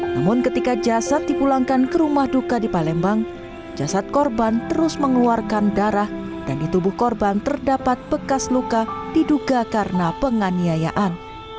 namun ketika jasad dipulangkan ke rumah duka di palembang jasad korban terus mengeluarkan darah dan di tubuh korban terdapat bekas luka diduga karena penganiayaan